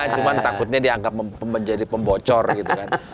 cuma takutnya dianggap menjadi pembocor gitu kan